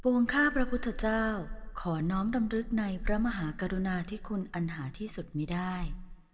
วงข้าพระพุทธเจ้าขอน้อมดำรึกในพระมหากรุณาที่คุณอันหาที่สุดมีได้